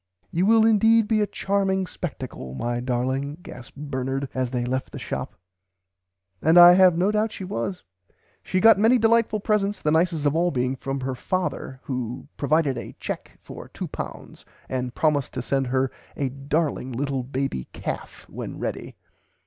"You will indeed be a charming spectacle my darling gasped Bernard as they left the shop," and I have no doubt she was. She got many delightful presents, the nicest of all being from her father, who "provided a cheque for £2 and promised to send her a darling little baby calf when ready."